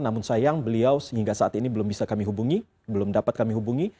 namun sayang beliau sehingga saat ini belum bisa kami hubungi belum dapat kami hubungi